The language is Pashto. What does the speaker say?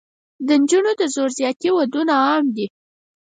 د نجونو د زور زیاتي ودونه عام دي.